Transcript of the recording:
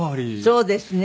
そうですね。